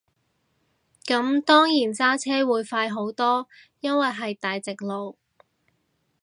咁當然揸車會快好多，因為係大直路